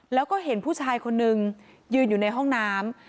แล้วก็เห็นผู้ชายคนนึงยืนอยู่ในห้องน้ำ